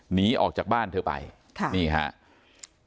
หนีออกจากบ้านเธอไปค่ะนี่ครับ